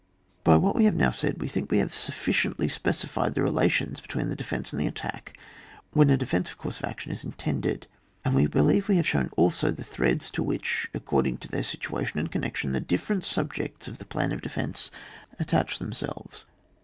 By what we have now said we think we have sufficiently specified the relations between the defence and the attack when a decisive course of action is intended, and we believe we have shown also the threads to which, according to their situa tion and connection, the different sub jects of the plan of defence attach them* selves.